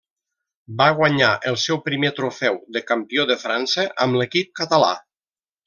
Va guanyar el seu primer trofeu de campió de França amb l'equip català.